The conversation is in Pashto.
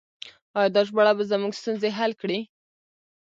آیا دا ژباړه به زموږ ستونزې حل کړي؟